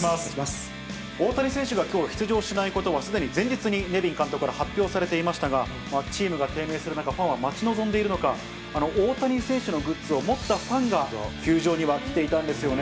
大谷選手がきょう、出場しないことは、すでに前日にネビン監督から発表されていましたが、チームが低迷する中、ファンが待ち望んでいるのか、大谷選手のグッズを持ったファンが、球場には来ていたんですよね。